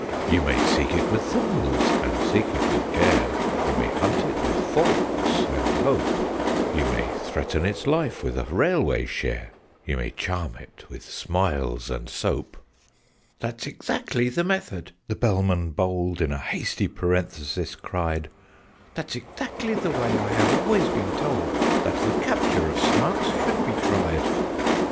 "'You may seek it with thimbles and seek it with care; You may hunt it with forks and hope; You may threaten its life with a railway share; You may charm it with smiles and soap '" ("That's exactly the method," the Bellman bold In a hasty parenthesis cried, "That's exactly the way I have always been told That the capture of Snarks should be tried!")